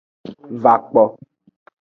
Va kpo.